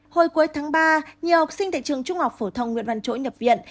hồi cuối tháng ba nhiều học sinh tại trường trung học phổ thông nguyễn văn chỗi nhập viện